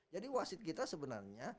jadi wasit kita sebenarnya